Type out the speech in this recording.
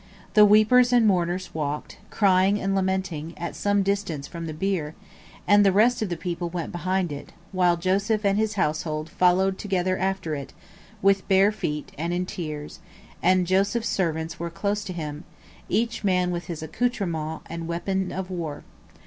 The weepers and mourners walked, crying and lamenting, at some distance from the bier, and the rest of the people went behind it, while Joseph and his household followed together after it, with bare feet and in tears, and Joseph's servants were close to him, each man with his accoutrements and weapons of war.